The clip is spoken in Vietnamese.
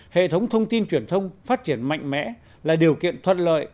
hệ thống thông tin truyền thông phát triển mạnh mẽ là điều kiện thuận lợi